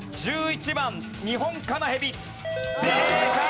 正解！